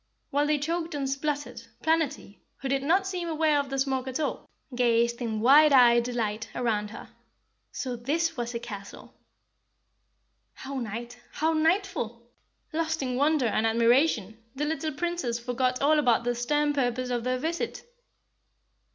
While they choked and spluttered, Planetty, who did not seem aware of the smoke at all, gazed in wide eyed delight around her. So THIS was a castle! "How nite, how netiful!" Lost in wonder and admiration, the little Princess forgot all about the stern purpose of their visit.